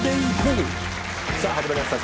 さぁ始まりました